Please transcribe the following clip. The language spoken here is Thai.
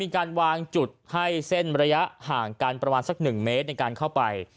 การวางจุดให้เส้นระยะห่างกันประมาณสัก๑เมตรในการเข้าไป